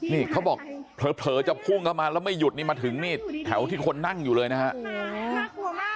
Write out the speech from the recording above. นี่เขาบอกเผลอจะพุ่งเข้ามาแล้วไม่หยุดนี่มาถึงนี่แถวที่คนนั่งอยู่เลยนะครับ